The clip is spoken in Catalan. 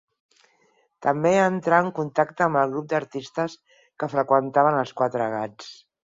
També entrà en contacte amb el grup d'artistes que freqüentaven els Quatre Gats.